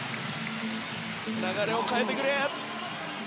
流れを変えてくれ。